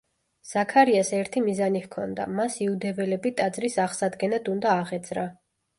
ზაქარიას ერთი მიზანი ჰქონდა, მას იუდეველები ტაძრის აღსადგენად უნდა აღეძრა.